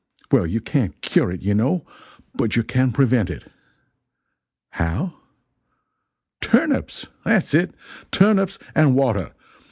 Well you can't cure it, you know, but you can prevent it. How? Turnips! that's it! Turnips and water!